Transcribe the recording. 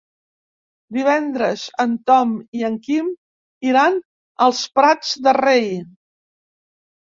Divendres en Tom i en Quim iran als Prats de Rei.